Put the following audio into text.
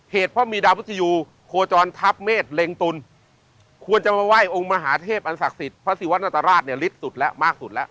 เหตุเพราะมีดาวพุทธยูโคจรทัพเมษเล็งตุลควรจะมาไหว้องค์มหาเทพอันศักดิ์สิทธิ์พระศิวัตนาตราชเนี่ยฤทธิสุดแล้วมากสุดแล้ว